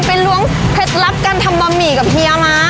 ล้วงเคล็ดลับการทำบะหมี่กับเฮียมา